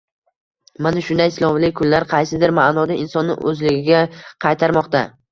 Mana shunday sinovli kunlar qaysidir maʼnoda insonni oʻzligiga qaytarmoqda.